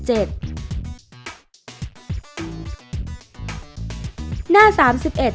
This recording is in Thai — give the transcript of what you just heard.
จุดที่๓รวมภาพธนบัตรที่๙